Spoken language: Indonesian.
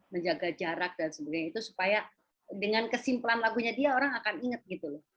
menjaga jarak dan sebagainya itu supaya dengan kesimpulan lagunya dia orang akan inget gitu loh